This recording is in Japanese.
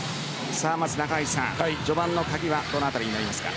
まず中垣内さん、序盤の鍵はどのあたりになりますか？